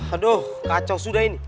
aduh kacau sudah ini